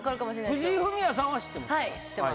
藤井フミヤさんは知ってます